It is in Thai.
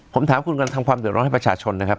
ผมถามคุณกันทั้งความเดินร้องให้ประชาชนนะครับ